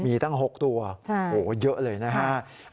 มีตั้ง๖ตัวเยอะเลยนะครับ